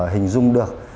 hình dung được